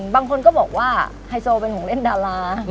บางคนก็บอกว่าไฮโซเป็นของเล่นดารา